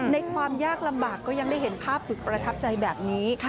ความยากลำบากก็ยังได้เห็นภาพสุดประทับใจแบบนี้